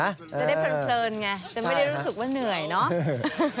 จะได้เพลินไงจะไม่ได้รู้สึกว่าเหนื่อยเนาะ